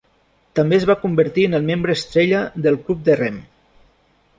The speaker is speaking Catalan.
També es va convertir en el membre estrella del club de rem.